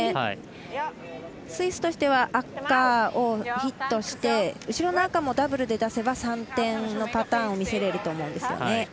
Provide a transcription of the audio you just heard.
スイスとしては赤をヒットして後ろの赤もダブルで出せば３点のパターンを見せられると思うんですよね。